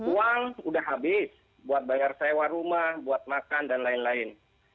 uang sudah habis buat bayar sewa rumah buat makan dan lain lain